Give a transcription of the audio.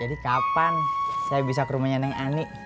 jadi kapan saya bisa ke rumahnya neng ani